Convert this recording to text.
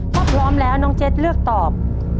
ถ้าพร้อมแล้วน้องเจ็ดเลือกตอบ